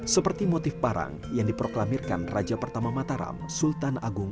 seperti motif parang yang diproklamirkan raja pertama mataram sultan agung